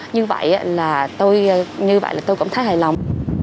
như vậy là tôi cũng thấy hài lòng